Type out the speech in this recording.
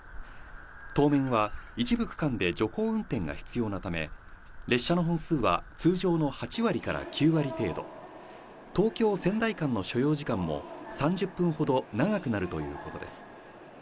当面は一部区間で徐行運転が必要なため、列車の本数は通常の８割から９割程度、東京−仙台間の所要時間も３０分ほど長くなるということです。